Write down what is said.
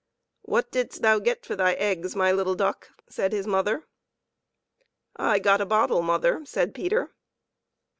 " What didst thou get for thy eggs, my little duck ?" said his mother. " I got a bottle, mother," said Peter.